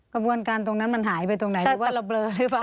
กระบวนการตรงนั้นมันหายไปตรงไหนหรือว่าเราเบลอหรือเปล่า